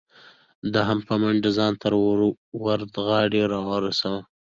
ده هم په منډه ځان تر وردغاړې را ورسو.